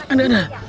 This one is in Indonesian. aduh aduh aduh